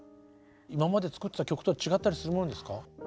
今まで作ってた曲とは違ったりするものですか？